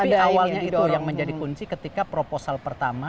tapi awalnya itu yang menjadi kunci ketika proposal pertama